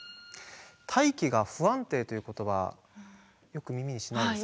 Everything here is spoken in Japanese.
「大気が不安定」という言葉よく耳にしないですかね。